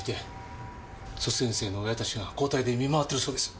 卒園生の親たちが交代で見回ってるそうです。